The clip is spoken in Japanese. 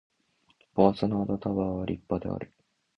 ボワソナードタワーは立派である